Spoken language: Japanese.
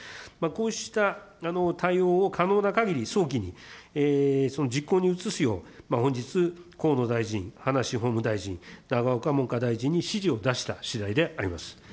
こうした対応を可能なかぎり早期にその実行に移すよう、本日、河野大臣、葉梨法務大臣、永岡文科大臣に指示を出したしだいであります。